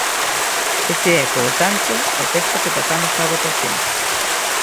Ese é, polo tanto, o texto que pasamos á votación.